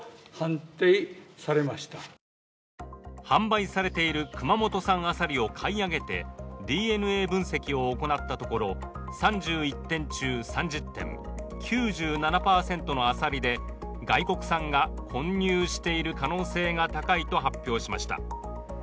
販売されている熊本産あさりを買い上げてＤＮＡ分析を行ったところ３１点中３０点、９７％のあさりで外国産が混入している可能性が高いと発表しました。